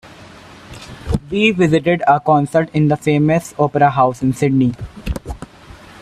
We visited a concert in the famous opera house in Sydney.